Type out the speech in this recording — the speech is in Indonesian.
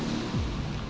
beberapa kali pak